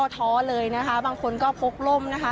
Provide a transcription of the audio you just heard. ไม่ได้ย่อท้อเลยนะคะบางคนก็พกล่มนะคะ